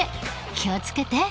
気を付けて。